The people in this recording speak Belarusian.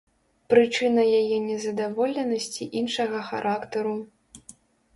Прычына яе нездаволенасці іншага характару.